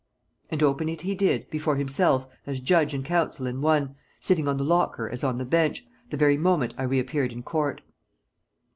And open it he did before himself, as judge and counsel in one, sitting on the locker as on the bench, the very moment I reappeared in court.